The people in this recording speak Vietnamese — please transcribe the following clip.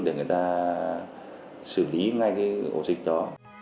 để người ta xử lý ngay cái ổ dịch đó